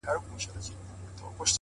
o اوس بيا د ښار په ماځيگر كي جادو؛